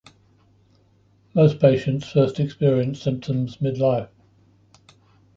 Most patients first experience symptoms midlife.